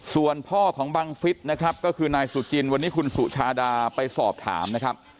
ส่วนพ่อของบังฟิศนะครับก็คือนายสุจินวันนี้คุณสุชาดาไปสอบถามนะครับ